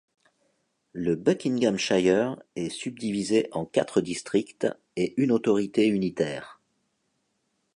Le Buckinghamshire est subdivisé en quatre districts et une autorité unitaire.